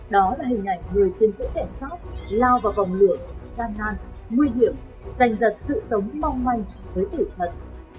đó là hình ảnh người chiến sĩ cảnh sát lao vào vòng lửa gian nan nguy hiểm giành giật sự sống mong manh với tử thần